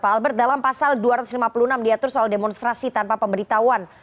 pak albert dalam pasal dua ratus lima puluh enam diatur soal demonstrasi tanpa pemberitahuan